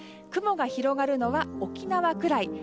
雲が広がるのは沖縄くらい。